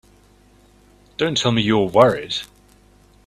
Don't tell me you were worried!